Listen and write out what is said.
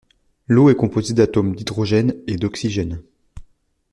L’eau est composée d’atomes d’hydrogène et d’oxygène.